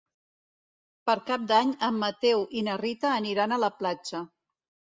Per Cap d'Any en Mateu i na Rita aniran a la platja.